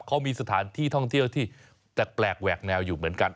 เขามีสถานที่ท่องเที่ยวที่แปลกแหวกแนวอยู่เหมือนกัน